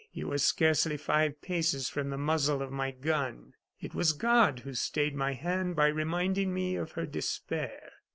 You were scarcely five paces from the muzzle of my gun. It was God who stayed my hand by reminding me of her despair.